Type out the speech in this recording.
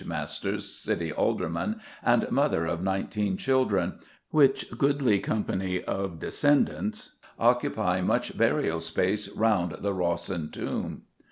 Masters, City Alderman, and mother of nineteen children, which goodly company of descendants occupy much burial space round the Rawson tomb.